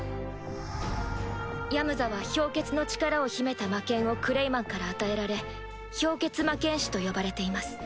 ヤムザは氷結の力を秘めた魔剣をクレイマンから与えられ氷結魔剣士と呼ばれています。